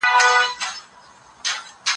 هغه وويل چي کار مهم دي.